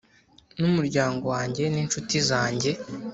numuryango wanjye ninshuti zanjye?